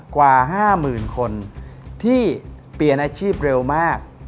กว่า๕๐๐๐คนที่เปลี่ยนอาชีพเร็วมาก